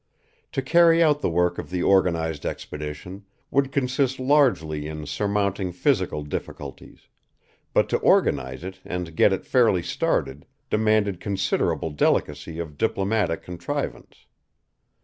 To carry out the work of the organized expedition would consist largely in surmounting physical difficulties; but to organize it and get it fairly started demanded considerable delicacy of diplomatic contrivance.